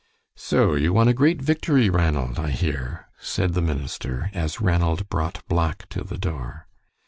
"So you won a great victory, Ranald, I hear," said the minister, as Ranald brought Black to the door.